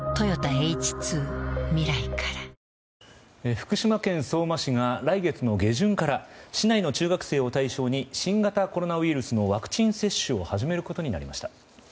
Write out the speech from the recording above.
福島県相馬市が来月の下旬から市内の中学生を対象に新型コロナウイルスのワクチン接種を始めることになりました。